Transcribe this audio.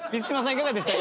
いかがでしたか？